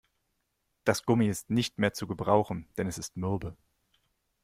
Das Gummi ist nicht mehr zu gebrauchen, denn es ist mürbe.